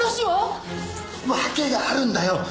わけがあるんだよ！